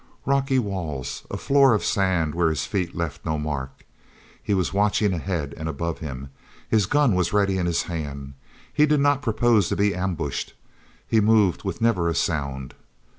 Rocky walls; a floor of sand where his feet left no mark. He was watching ahead and above him. His gun was ready in his hand; he did not propose to be ambushed. He moved with never a sound.